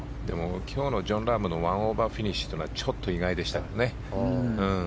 今日のジョン・ラームの１オーバーフィニッシュはちょっと意外でしたけどね。